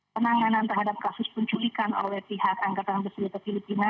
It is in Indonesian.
penanganan terhadap kasus penculikan oleh pihak angkatan bersenjata filipina